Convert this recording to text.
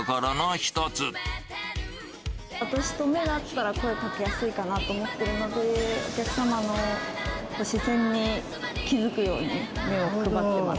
私と目が合ったら、声かけやすいかなと思っているので、お客様の視線に気付くように目を配ってます。